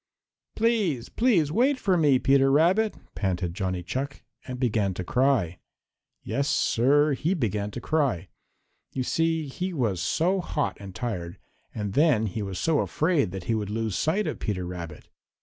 "Please, please wait for me, Peter Rabbit," panted Johnny Chuck, and began to cry. Yes, Sir, he began to cry. You see he was so hot and tired, and then he was so afraid that he would lose sight of Peter Rabbit.